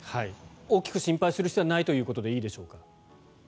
大きく心配する必要はないということでいいでしょうか。